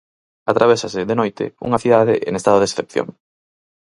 Atravésase, de noite, unha cidade en estado de excepción.